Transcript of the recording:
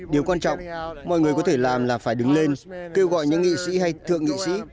điều quan trọng mọi người có thể làm là phải đứng lên kêu gọi những nghị sĩ hay thượng nghị sĩ